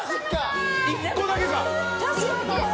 １個だけか。